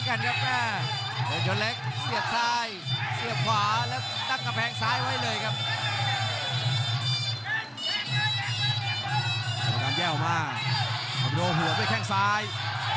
จังหวะขวางแล้วเสียบ